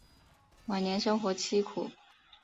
晚年生活凄苦。